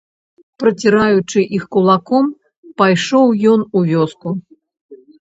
Праціраючы іх кулаком, пайшоў ён у вёску.